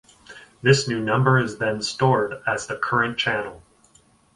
This new number is then stored as the "current channel".